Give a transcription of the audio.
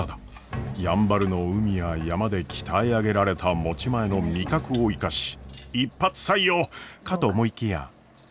やんばるの海や山で鍛え上げられた持ち前の味覚を生かし一発採用！かと思いきや。